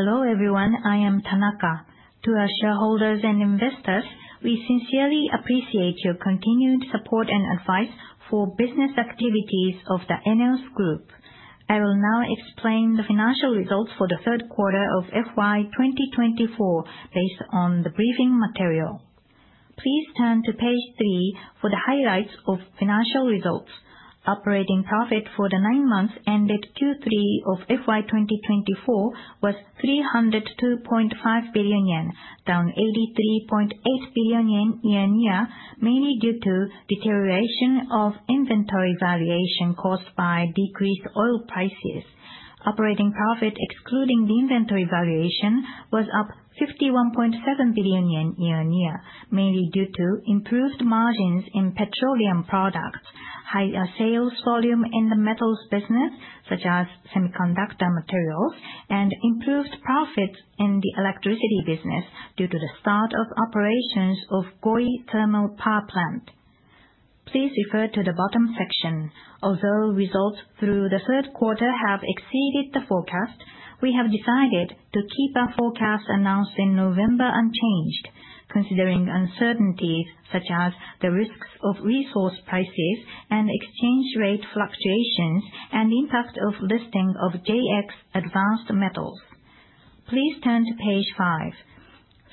Hello everyone, I am Tanaka. To our shareholders and investors, we sincerely appreciate your continued support and advice for business activities of the ENEOS Group. I will now explain the financial results for the Q3 of FY 2024 based on the briefing material. Please turn to page 3 for the highlights of financial results. Operating profit for the nine months ended Q3 of FY 2024 was ¥302.5 billion, down ¥83.8 billion year-on-year, mainly due to deterioration of inventory valuation caused by decreased oil prices. Operating profit, excluding the inventory valuation, was up ¥51.7 billion year-on-year, mainly due to improved margins in petroleum products, higher sales volume in the Metals business, such as Metals materials, and improved profits in the Electricity business due to the start of operations of Goi Thermal Power Plant. Please refer to the bottom section. Although results through the Q3 have exceeded the forecast, we have decided to keep our forecast announced in November unchanged, considering uncertainties such as the risks of resource prices and exchange rate fluctuations and the impact of listing of JX Advanced Metals. Please turn to page 5.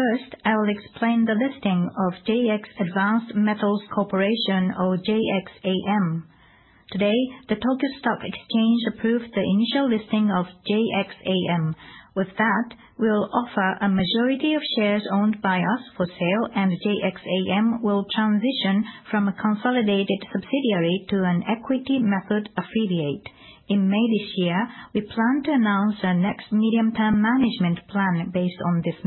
First, I will explain the listing of JX Advanced Metals Corporation, or JXAM. Today, the Tokyo Stock Exchange approved the initial listing of JXAM. With that, we will offer a majority of shares owned by us for sale, and JXAM will transition from a consolidated subsidiary to an equity-method affiliate. In May this year, we plan to announce our next medium-term management plan based on this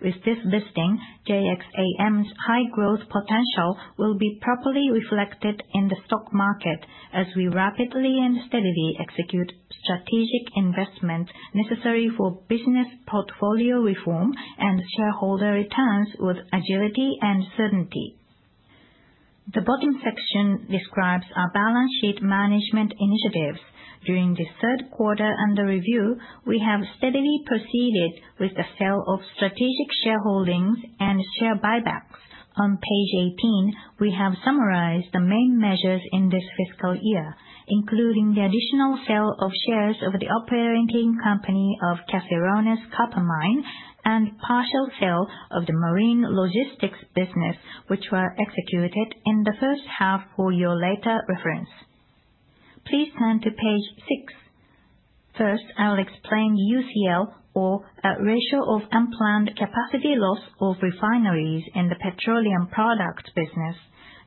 measure. With this listing, JXAM's high growth potential will be properly reflected in the stock market as we rapidly and steadily execute strategic investments necessary for business portfolio reform and shareholder returns with agility and certainty. The bottom section describes our balance sheet management initiatives. During this Q3 under review, we have steadily proceeded with the sale of strategic shareholdings and share buybacks. On page 18, we have summarized the main measures in this fiscal year, including the additional sale of shares of the operating company of Caserones Copper Mine and partial sale of the marine logistics business, which were executed in the first half for your later reference. Please turn to page 6. First, I will explain UCL, or a Ratio of Unplanned Capacity Loss of Refineries in the Petroleum Products Business.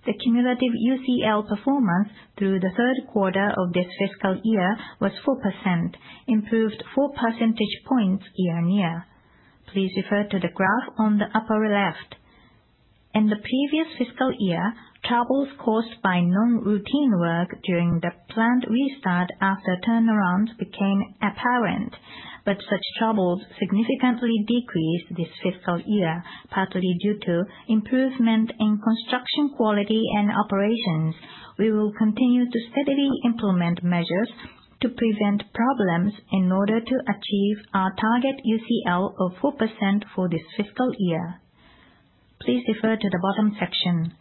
The cumulative UCL performance through the Q3 of this fiscal year was 4%, improved 4 percentage points year-on-year. Please refer to the graph on the upper left. In the previous fiscal year, troubles caused by non-routine work during the planned restart after turnarounds became apparent, but such troubles significantly decreased this fiscal year, partly due to improvement in construction quality and operations. We will continue to steadily implement measures to prevent problems in order to achieve our target UCL of 4% for this fiscal year. Please refer to the bottom section.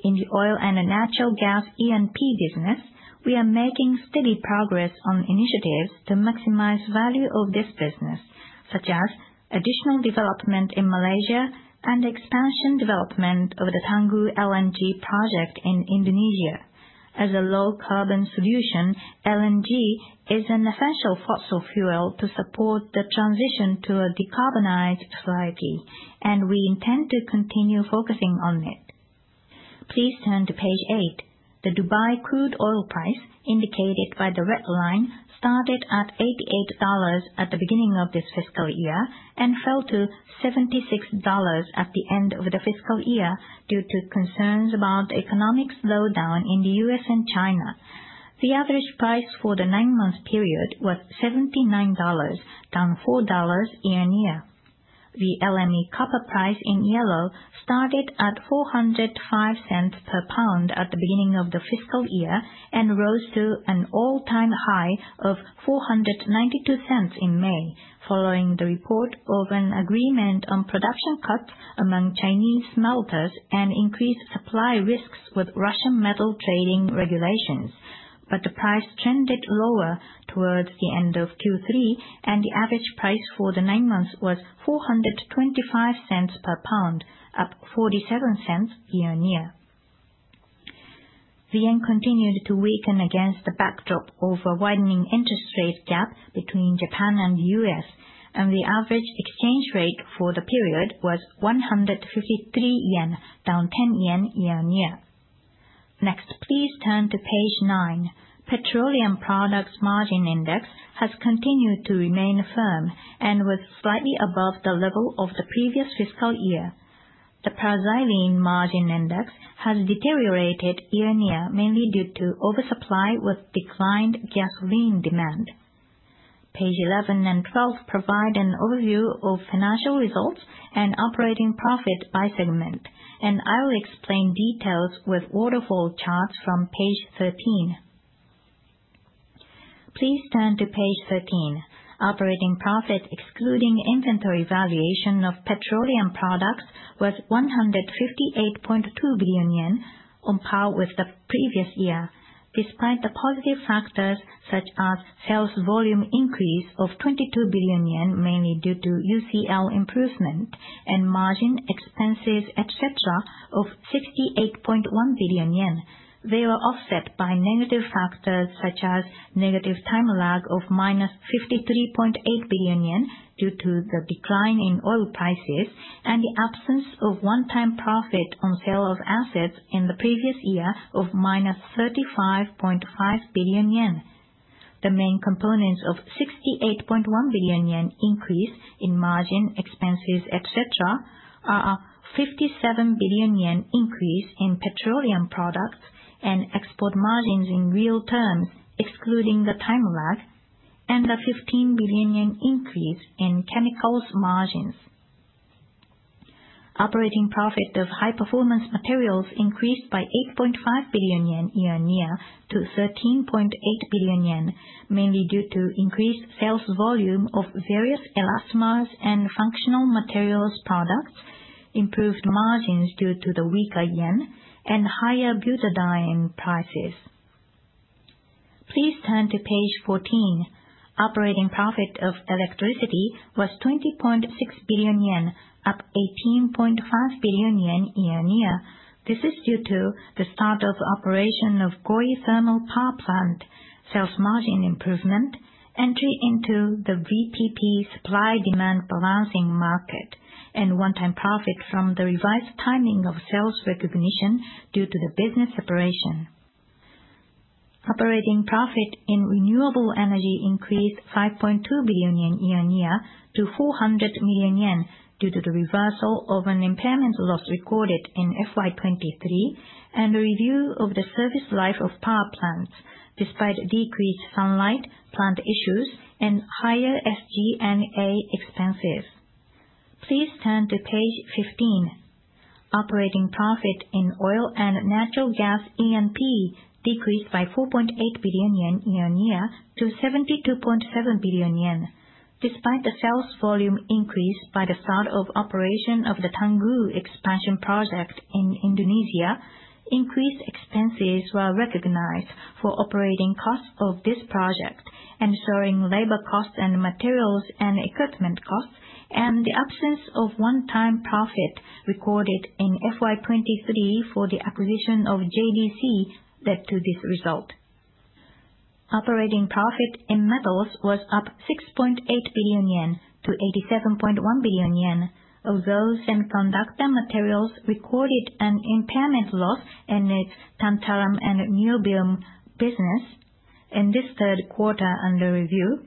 In the Oil and Natural Gas (E&P) business, we are making steady progress on initiatives to maximize value of this business, such as additional development in Malaysia and expansion development of the Tangguh LNG project in Indonesia. As a low-carbon solution, LNG is an essential fossil fuel to support the transition to a decarbonized society, and we intend to continue focusing on it. Please turn to page 8. The Dubai crude oil price, indicated by the red line, started at $88 at the beginning of this fiscal year and fell to $76 at the end of the fiscal year due to concerns about the economic slowdown in the U.S. and China. The average price for the nine-month period was $79, down $4 year-on-year. The LME copper price in yellow started at $4.05 per pound at the beginning of the fiscal year and rose to an all-time high of $4.92 in May, following the report of an agreement on production cuts among Chinese smelters and increased supply risks with Russian metal trading regulations, but the price trended lower towards the end of Q3, and the average price for the nine months was $4.25 per pound, up $0.47 year-on-year. The yen continued to weaken against the backdrop of a widening interest rate gap between Japan and the U.S., and the average exchange rate for the period was ¥153, down ¥10 year-on-year. Next, please turn to page 9. Petroleum Products Margin Index has continued to remain firm and was slightly above the level of the previous fiscal year. The petroleum margin index has deteriorated year-on-year, mainly due to oversupply with declined gasoline demand. Page 11 and 12 provide an overview of financial results and operating profit by segment, and I will explain details with waterfall charts from page 13. Please turn to page 13. Operating profit, excluding inventory valuation of petroleum products, was ¥158.2 billion on par with the previous year. Despite the positive factors such as sales volume increase of 22 billion yen, mainly due to UCL improvement, and margin expenses, etc., of 68.1 billion yen, they were offset by negative factors such as negative time lag of 53.8 billion yen due to the decline in oil prices and the absence of one-time profit on sale of assets in the previous year of 35.5 billion yen. The main components of 68.1 billion yen increase in margin expenses, etc., are a 57 billion yen increase in petroleum products and export margins in real terms, excluding the time lag, and a 15 billion yen increase in chemicals margins. Operating profit of High-Performance Materials increased by 8.5 billion yen year-on-year to 13.8 billion yen, mainly due to increased sales volume of various elastomers and functional materials products, improved margins due to the weaker yen, and higher butadiene prices. Please turn to page 14. Operating profit of electricity was ¥20.6 billion, up ¥18.5 billion year-on-year. This is due to the start of operation of Goi Thermal Power Plant, sales margin improvement, entry into the VPP supply-demand balancing market, and one-time profit from the revised timing of sales recognition due to the business separation. Operating profit in Renewable Energy increased ¥5.2 billion year-on-year to ¥400 million due to the reversal of an impairment loss recorded in FY 2023 and the review of the service life of power plants, despite decreased sunlight, plant issues, and higher SG&A expenses. Please turn to page 15. Operating profit in oil and natural gas (E&P) decreased by ¥4.8 billion year-on-year to ¥72.7 billion. Despite the sales volume increase by the start of operation of the Tangguh expansion project in Indonesia, increased expenses were recognized for operating costs of this project, ensuring labor costs and materials and equipment costs, and the absence of one-time profit recorded in FY 2023 for the acquisition of JDC led to this result. Operating profit in Metals was up ¥6.8 billion to ¥87.1 billion. Although Semiconductor Materials recorded an impairment loss in its tantalum and niobium business in this Q3 under review,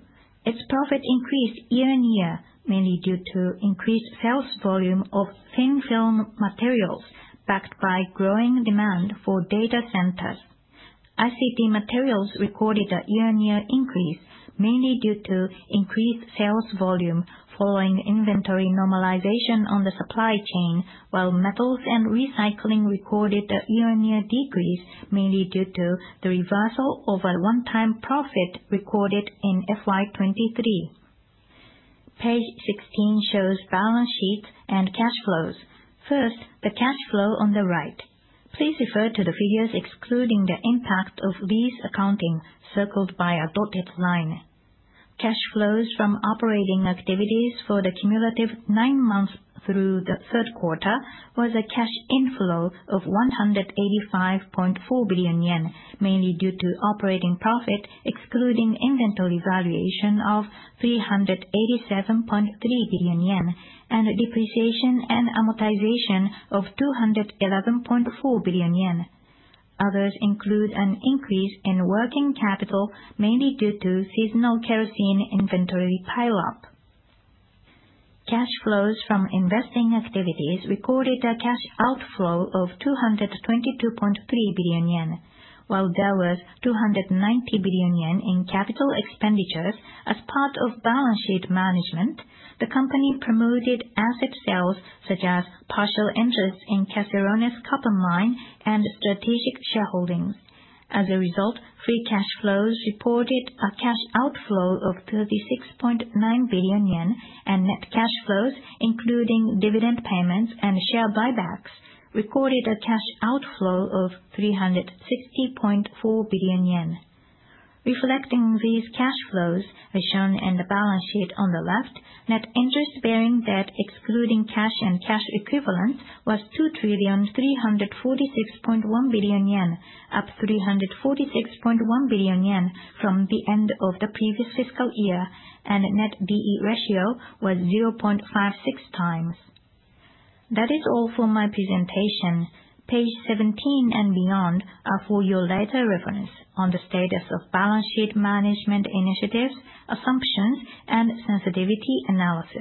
its profit increased year-on-year, mainly due to increased sales volume of thin film materials backed by growing demand for data centers. ICT Materials recorded a year-on-year increase, mainly due to increased sales volume following inventory normalization on the supply chain, while Metals and recycling recorded a year-on-year decrease, mainly due to the reversal of a one-time profit recorded in FY 2023. Page 16 shows balance sheets and cash flows. First, the cash flow on the right. Please refer to the figures excluding the impact of lease accounting circled by a dotted line. Cash flows from operating activities for the cumulative nine months through the Q3 was a cash inflow of 185.4 billion yen, mainly due to operating profit excluding inventory valuation of 387.3 billion yen and depreciation and amortization of 211.4 billion yen. Others include an increase in working capital, mainly due to seasonal kerosene inventory pile-up. Cash flows from investing activities recorded a cash outflow of 222.3 billion yen, while there was 290 billion yen in capital expenditures. As part of balance sheet management, the company promoted asset sales such as partial interest in Caserones Copper Mine and strategic shareholdings. As a result, free cash flows reported a cash outflow of 36.9 billion yen, and net cash flows, including dividend payments and share buybacks, recorded a cash outflow of 360.4 billion yen. Reflecting these cash flows, as shown in the balance sheet on the left, net interest-bearing debt excluding cash and cash equivalents was 2,346.1 billion yen, up 346.1 billion yen from the end of the previous fiscal year, and Net D/E ratio was 0.56 times. That is all for my presentation. Page 17 and beyond are for your later reference on the status of balance sheet management initiatives, assumptions, and sensitivity analysis.